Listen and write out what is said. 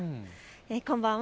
こんばんは。